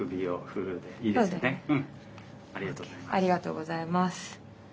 ありがとうございます。